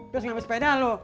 terus nggak ada sepeda lo